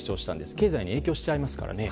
経済に影響しちゃいますからね。